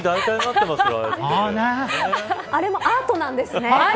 あれもアートなんですね。